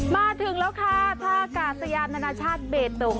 มาถึงแล้วค่ะท่ากาศยานานาชาติเบตง